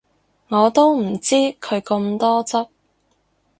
我都唔知佢咁多汁